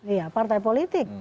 iya partai politik